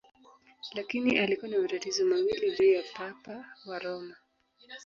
Lakini alikuwa na matatizo mawili juu ya Papa wa Roma.